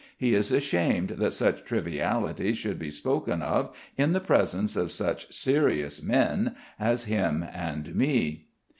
He is ashamed that such trivialities should be spoken of in the presence of such serious men as him and me.